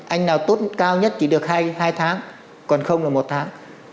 anh nào tốt cao nhất chỉ được hai tháng còn không là một tháng